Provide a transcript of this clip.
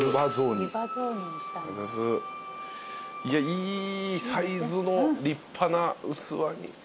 いやいいサイズの立派な器に。